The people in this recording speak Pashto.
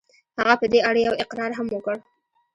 هغه په دې اړه يو اقرار هم وکړ.